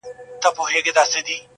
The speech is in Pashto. په سپورږمۍ كي زمــــا پــيــــر دى,